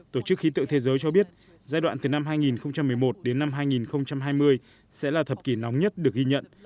tổ chức khí tượng thế giới cho biết giai đoạn từ năm hai nghìn một mươi một đến năm hai nghìn hai mươi sẽ là thập kỷ nóng nhất được ghi nhận